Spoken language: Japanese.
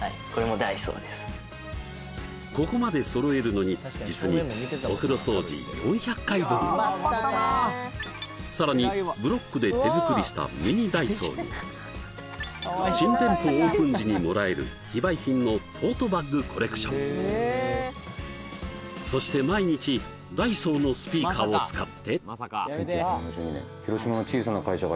ここまで揃えるのに実にさらにブロックで手作りしたミニダイソーに新店舗オープン時にもらえる非売品のトートバッグコレクションそして毎日ダイソーのスピーカーを使って「１９７２年広島の小さな会社が」